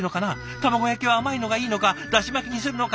卵焼きは甘いのがいいのかだし巻きにするのか。